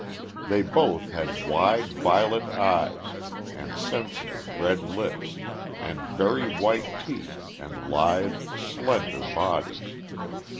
They both had wide, violet eyes and sensitive, red lips, and very white teeth and lithe, slender bodies.